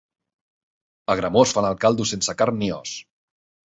A Gramós fan el caldo sense carn ni os.